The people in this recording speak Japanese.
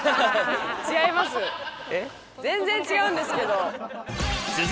全然違うんですけど。